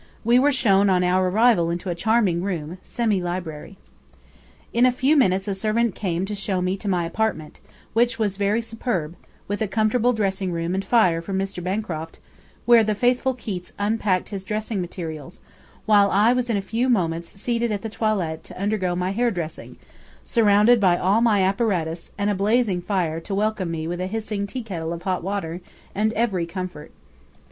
We were shown on our arrival into a charming room, semi library. In a few minutes a servant came to show me to my apartment, which was very superb, with a comfortable dressing room and fire for Mr. Bancroft, where the faithful Keats unpacked his dressing materials, while I was in a few moments seated at the toilet to undergo my hair dressing, surrounded by all my apparatus, and a blazing fire to welcome me with a hissing tea kettle of hot water and every comfort.